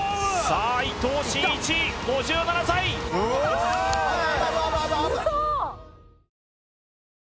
さあ伊藤慎一５７歳うわい！